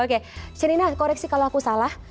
oke sherina koreksi kalau aku salah